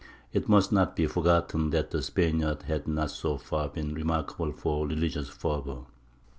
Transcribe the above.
It must not be forgotten that the Spaniards had not so far been remarkable for religious fervour.